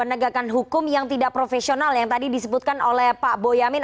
penegakan hukum yang tidak profesional yang tadi disebutkan oleh pak boyamin